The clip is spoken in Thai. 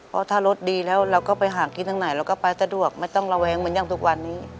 เพราะถ้ารถดีแล้วเราก็ไปหากินทั้งไหนเราก็ไปสะดวกไม่ต้องระแวงเหมือนอย่างทุกวันนี้